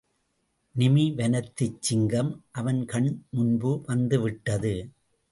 நிமீ வனத்துச் சிங்கம் அவன் கண் முன்பு வந்துவிட்டது!